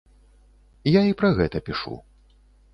Я і пра гэта пішу.